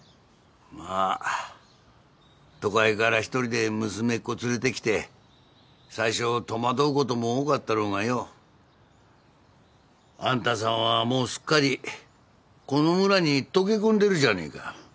まあ都会から一人で娘っ子連れてきて最初戸惑うことも多かったろうがよあんたさんはもうすっかりこの村に溶け込んでるじゃねえか。